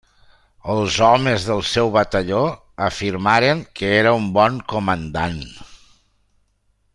Els homes del seu batalló afirmaren que era un bon comandant.